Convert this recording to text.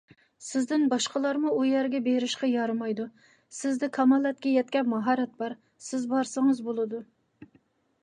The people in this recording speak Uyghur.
سىزدىن باشقىلارمۇ ئۇ يەرگە بېرىشقا يارىمايدۇ، سىزدە كامالەتكە يەتكەن ماھارەت بار، سىز بارسىڭىز بولىدۇ.